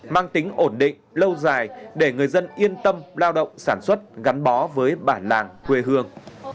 mang tính ổn định lâu dài để người dân yên tâm lao động sản xuất gắn bó với bản làng quê hương